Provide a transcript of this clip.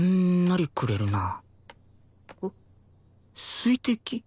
水滴